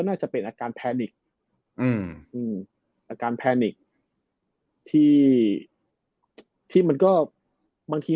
น่าจะเป็นอาการแพนิกอืมอืมอาการแพนิกที่ที่มันก็บางที